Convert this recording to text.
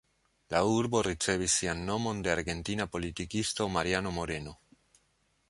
La urbo ricevis sian nomon de argentina politikisto Mariano Moreno.